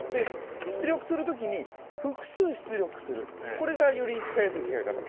出力するときに、複数出力する、これがより使いやすい使い方。